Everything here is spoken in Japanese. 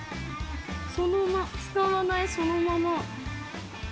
その下は使わないそのまま。